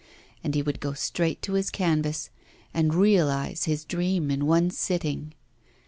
And he would go straight to his canvas, and realise his dream in one sitting.